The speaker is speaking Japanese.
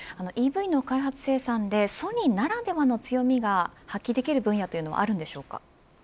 ＥＶの開発生産でソニーならではの強みが発揮できる分野というのはあるんでしょうか。